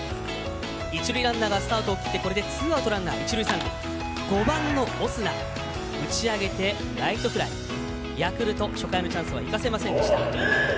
一塁ランナーがスタートを切ってこれでツーアウトランナー一塁、三塁５番のオスナ打ち上げてライトフライヤクルト初回のチャンスを生かせませんでした。